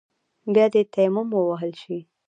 بيا دې تيمم ووهل شي.